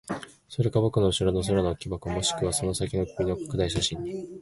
それか僕の後ろの空の木箱、もしくはその先の君の拡大写真に。